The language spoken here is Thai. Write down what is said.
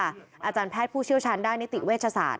อาจารย์แพทย์ผู้เชี่ยวชาญด้านนิติเวชศาสต